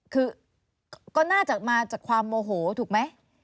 คือก็น่าจะมาจากความโมโหถูกไหม